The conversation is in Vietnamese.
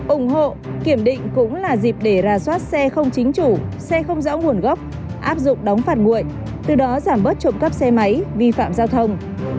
ủng hộ kiểm định cũng là dịp để ra soát xe không chính chủ xe không rõ nguồn gốc áp dụng đóng phạt nguội từ đó giảm bớt trộm cắp xe máy vi phạm giao thông